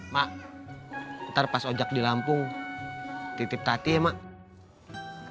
mak ntar pas ojek di lampung titip tati ya mak